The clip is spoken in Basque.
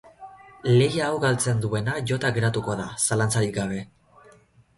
Lehia hau galtzen duena jota geratuko da, zalantzarik gabe.